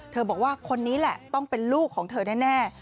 บอกว่าคนนี้แหละต้องเป็นลูกของเธอแน่